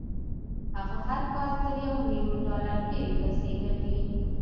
هغه هر کال تر يوه ميليون ډالر ډېرې پيسې ګټي.